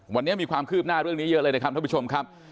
วันนี้มีความคืบหน้าเรื่องนี้เยอะเลยนะครับท่านผู้ชมครับ